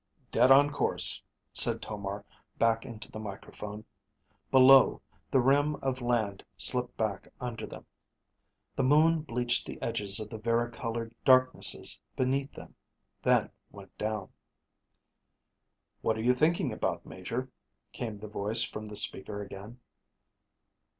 "Dead on course," said Tomar back into the microphone. Below, the rim of land slipped back under them. The moon bleached the edges of the vari colored darknesses beneath them; then went down. "What are you thinking about, Major?" came the voice from the speaker again.